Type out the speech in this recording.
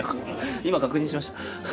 今、確認しました。